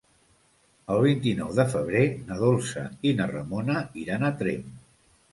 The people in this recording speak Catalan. El vint-i-nou de febrer na Dolça i na Ramona iran a Tremp.